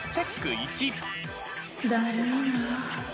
だるいなぁ。